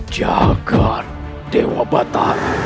jagar dewa batar